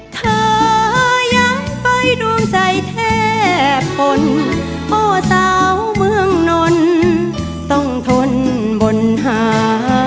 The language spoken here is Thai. เธอยังไปดวงใจแทบปนโอ้สาวเมืองนนต้องทนบนหา